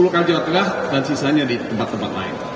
di jawa tengah dan sisanya di tempat tempat lain